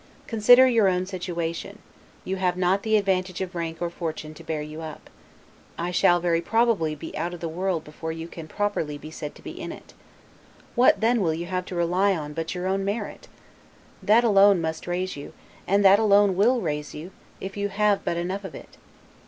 Consider your own situation; you have not the advantage of rank or fortune to bear you up; I shall, very probably, be out of the world before you can properly be said to be in it. What then will you have to rely on but your own merit? That alone must raise you, and that alone will raise you, if you have but enough of it.